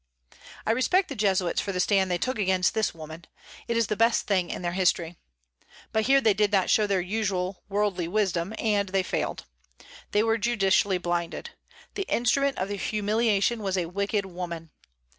I respect the Jesuits for the stand they took against this woman: it is the best thing in their history. But here they did not show their usual worldly wisdom, and they failed. They were judicially blinded. The instrument of their humiliation was a wicked woman.